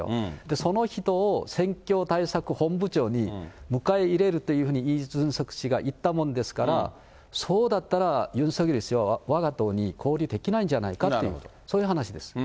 その人を選挙対策本部長に迎え入れるというふうにイ・ジュンソク氏が言ったもんですから、そうだったら、ユン・ソギョル氏はわが党に合流できないんじゃないかと、そういう話です。